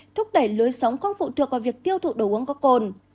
thúc đẩy lưới sống không phụ thuộc vào việc tiêu thụ đồ uống có cồn